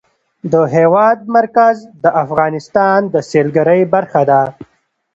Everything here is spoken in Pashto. د هېواد مرکز د افغانستان د سیلګرۍ برخه ده.